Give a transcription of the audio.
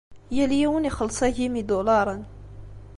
Yal yiwen ixelleṣ agim n yidulaṛen.